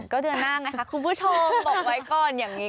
ก็เดือนหน้าไงคะคุณผู้ชมบอกไว้ก่อนอย่างนี้